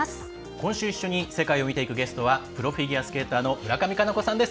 今週一緒に世界を見ていくゲストはプロフィギュアスケーターの村上佳菜子さんです。